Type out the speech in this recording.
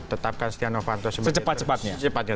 tetapkan setia novanto secepat cepatnya